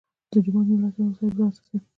د جومات ملا صاحب او صاحبزاده صاحب.